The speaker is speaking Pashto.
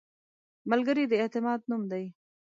ملګری د اعتماد نوم دی